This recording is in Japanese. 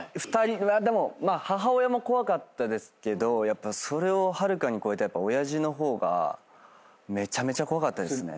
でも母親も怖かったですけどそれをはるかに超えてやっぱ親父の方がめちゃめちゃ怖かったですね。